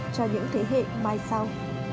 cho những thế hệ mai sau